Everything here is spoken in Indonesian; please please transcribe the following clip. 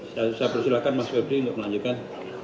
saya persilahkan mas febri untuk melanjutkan